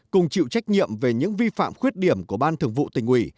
cùng chịu trách nhiệm về những vi phạm khuyết điểm của ban thường vụ tỉnh ủy